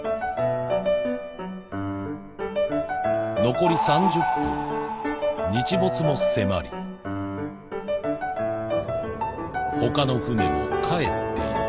残り３０分日没も迫りほかの船も帰っていく